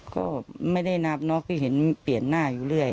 ก็ไม่ได้นับน็อกที่เห็นเปลี่ยนหน้าอยู่เรื่อย